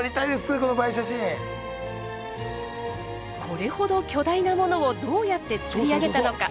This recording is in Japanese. これほど巨大なものをどうやって作り上げたのか？